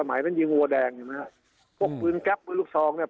สมัยนั้นยิงวัวแดงอย่างไรฮะพวกปืนแก๊ปหรือลูกทองเนี่ย